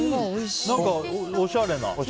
何か、おしゃれな。